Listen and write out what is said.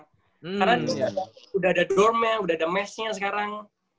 karena udah ada dormnya udah ada mesnya sekarang